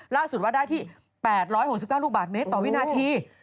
ล่าสุดว่าได้ที่๘๖๙ลูกบาทเมตรต่อวินาที